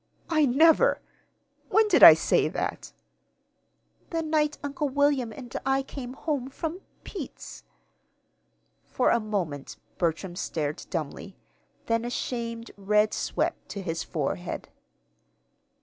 "I never when did I say that?" "The night Uncle William and I came home from Pete's." For a moment Bertram stared dumbly; then a shamed red swept to his forehead.